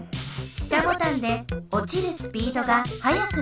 下ボタンでおちるスピードがはやくなります。